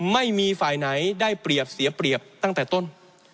ไม่มีฝ่ายไหนได้เปรียบเสียเปรียบตั้งแต่ต้น